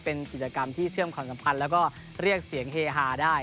เป็นกิจกรรมที่เชื่อมความสัมพันธ์แล้วก็เรียกเสียงเฮฮาได้